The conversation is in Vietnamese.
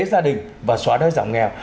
gia đình và xóa đói giảm nghèo